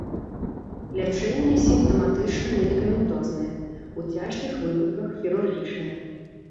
Лячэнне сімптаматычна-медыкаментознае, у цяжкіх выпадках хірургічнае.